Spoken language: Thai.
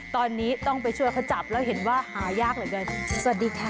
ตอนนี้ต้องไปช่วยเขาจับแล้วเห็นว่าหายากเหลือเกินสวัสดีค่ะ